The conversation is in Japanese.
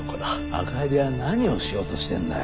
赤蛇は何をしようとしてんだよ？